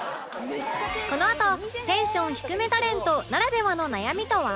このあとテンション低めタレントならではの悩みとは？